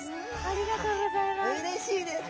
ありがとうございます。